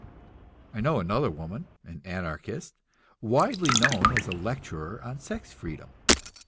I know another woman, an Anarchist, widely known as a lecturer on sex freedom.